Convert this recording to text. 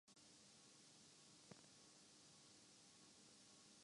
یہ معاشی استحکام راتوں رات نہیں آیا